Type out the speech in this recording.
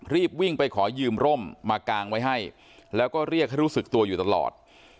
รีบวิ่งไปขอยืมร่มมากางไว้ให้แล้วก็เรียกให้รู้สึกตัวอยู่ตลอด